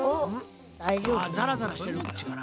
ザラザラしてるっちから？